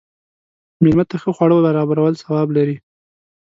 مېلمه ته ښه خواړه برابرول ثواب لري.